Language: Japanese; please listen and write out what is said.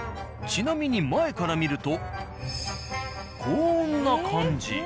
ちなみに前から見るとこんな感じ。